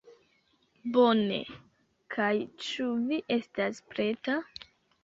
Bone. Kaj ĉu vi estas preta?